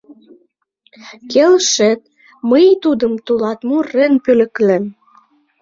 Келшет, мый тудым тылат мурен пӧлеклем.